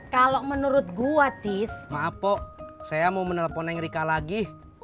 kalau menurut gua tis mapo saya mau menelepon rika lagi